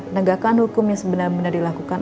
penegakan hukumnya sebenarnya benar benar dilakukan